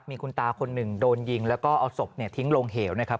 มีคุณตาคนหนึ่งโดนยิงแล้วก็เอาศพทิ้งลงเหวนะครับ